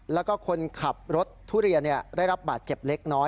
แล้วก็คนขับรถทุเรียนได้รับบาดเจ็บเล็กน้อย